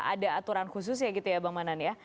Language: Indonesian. ada aturan khusus ya gitu ya bang manan ya